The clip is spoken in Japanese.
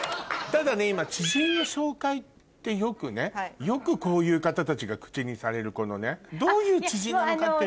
ただね今知人の紹介ってよくねよくこういう方たちが口にされるこのね。をして。